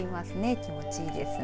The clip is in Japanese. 気持ちいいですね。